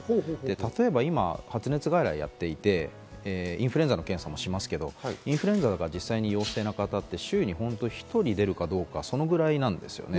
例えば今、発熱外来をやっていて、インフルエンザの検査をしますけど、インフルエンザ、実際、陽性の方は週に１人出るかどうか、そのぐらいです。